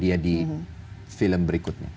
jadi film berikutnya